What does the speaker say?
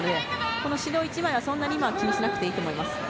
この指導１は、そんなに気にしなくていいと思います。